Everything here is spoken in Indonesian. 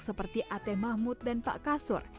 seperti ate mahmud dan pak kasur